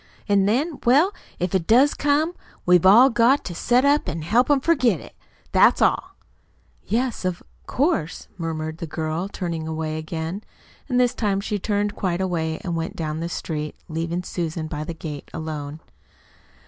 "An' then well, if it does come, we've all got to set to an' help him forget it. That's all." "Yes, of course," murmured the girl, turning away again. And this time she turned quite away and went on down the street, leaving Susan by the gate alone.